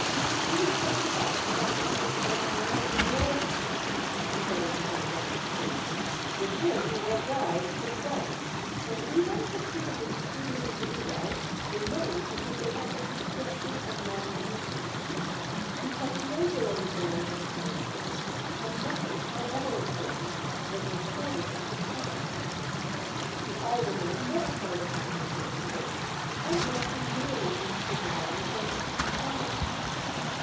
He was satisfied to let matters run on as in the old times, he said in his own justification; with him what was, was right, and evils that should have been speedily rooted out remained because they had the prescription of long usage. He kept no daily journal of occurrences, and nothing, however important, was recorded at the time. The aldermen never called upon him to report, and left him nearly unsupervised and uncontrolled.